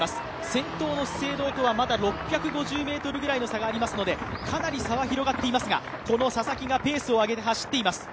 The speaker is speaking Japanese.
先頭の資生堂とは６５０ｍぐらいの差があるのでかなり差は広がっていますが佐々木がペースを上げて走っています。